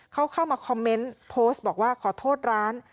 เขาเข้ามาคอมเมนต์โพสต์บอกว่าขอโทษร้าน